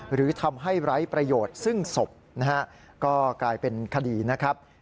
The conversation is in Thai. หรือทำให้ไร้ประโยชน์ซึ่งศพนะฮะก็กลายเป็นคดีนะครับ